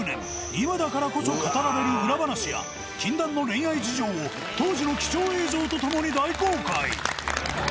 今だからこそ語られる裏話や禁断の恋愛事情を当時の貴重映像と共に大公開！